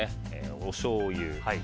おしょうゆ。